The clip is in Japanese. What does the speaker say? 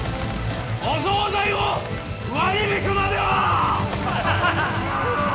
お総菜を割り引くまでは！